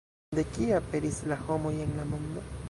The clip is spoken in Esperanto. De kie aperis la homoj en la mondo?